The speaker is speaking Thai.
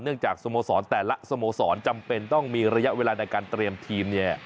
เนื่องจากสมสรแต่ละสมสรจำเป็นต้องมีระยะเวลาในการเตรียมทีม